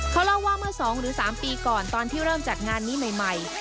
เขาเล่าว่าเมื่อ๒หรือ๓ปีก่อนตอนที่เริ่มจัดงานนี้ใหม่